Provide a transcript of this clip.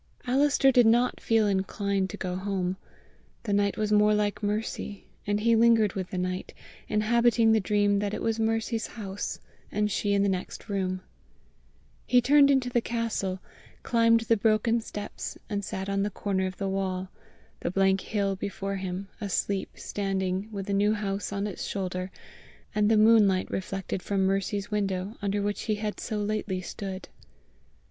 Alister did not feel inclined to go home. The night was more like Mercy, and he lingered with the night, inhabiting the dream that it was Mercy's house, and she in the next room. He turned into the castle, climbed the broken steps, and sat on the corner of the wall, the blank hill before him, asleep standing, with the New House on its shoulder, and the moonlight reflected from Mercy's window under which he had so lately stood.